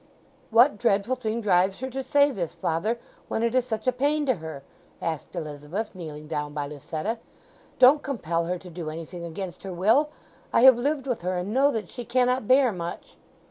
"What dreadful thing drives her to say this, father, when it is such a pain to her?" asked Elizabeth, kneeling down by Lucetta. "Don't compel her to do anything against her will! I have lived with her, and know that she cannot bear much."